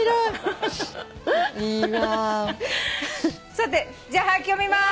さてじゃあはがき読みます。